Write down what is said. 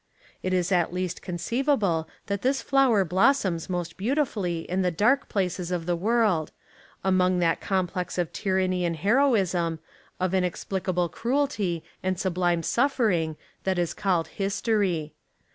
It is at least conceivable that this flower blos soms most beautifully in the dark places of the world, among that complex of tyranny and hero ism, of inexplicable cruelty and sublime suffer ing that is called history.